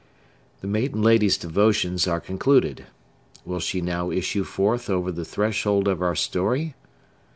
The maiden lady's devotions are concluded. Will she now issue forth over the threshold of our story?